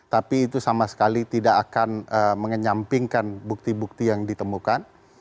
tapi itu sama sekali tidak akan mengenyampingkan bukti bukti yang ditemukan